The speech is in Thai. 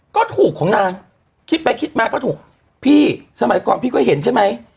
ก็ถูกของนางคิดไปคิดมาก็ถูกพี่สมัยก่อนพี่ก็เห็นใช่ไหม